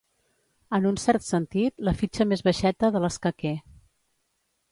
En un cert sentit, la fitxa més baixeta de l'escaquer.